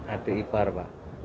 adik ipar pak